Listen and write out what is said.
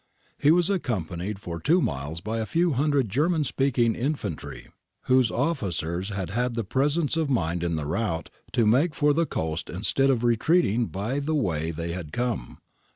He was accompanied for two miles by a few hundred German speaking infantry whose officers had had the presence of mind in the rout to make for the coast instead of retreating by the way they had come.